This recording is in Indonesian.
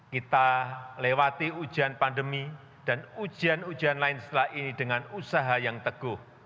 kita lewati ujian pandemi dan ujian ujian lain setelah ini dengan usaha yang teguh